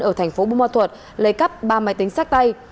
ở thành phố bù ma thuật lấy cắp ba máy tính sát tay